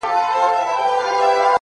• شور د کربلا کي به د شرنګ خبري نه کوو,